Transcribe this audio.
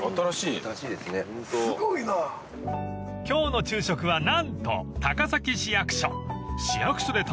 ［今日の昼食は何と高崎市役所］